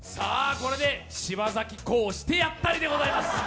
これで柴咲コウ、してやったりでございます。